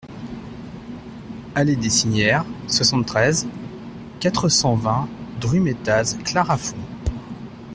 Allée des Signères, soixante-treize, quatre cent vingt Drumettaz-Clarafond